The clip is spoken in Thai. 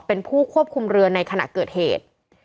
เป็นผู้ควบคุมเรือในขณะเกิดเหตุ